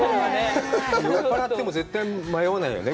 酔っ払っても絶対迷わないよね。